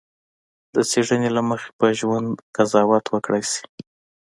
د څېړنې له مخې په ژوند قضاوت وکړای شي.